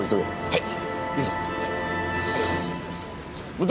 はい。